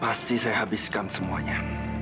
pasti saya habiskan semuanya